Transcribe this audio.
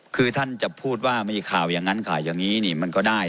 คือท่านจะพูดว่ามีข่าวอย่างนั้นข่าวอย่างนี้นี่มันก็ได้